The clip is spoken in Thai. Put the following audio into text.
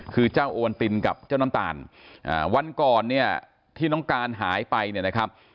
คือเจ้าโอวันตินกับเจ้าน้ำตาลวันก่อนเนี่ยที่น้องการหายไปเนี่ยนะครับ